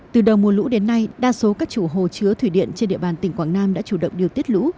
từ đầu mùa lũ đến nay đa số các chủ hồ chứa thủy điện trên địa bàn tỉnh quảng nam đã chủ động điều tiết lũ